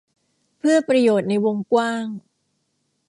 เพื่อประโยชน์ในวงกว้าง